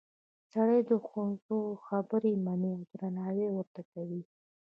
سړي د ښځو خبرې مني او درناوی ورته کوي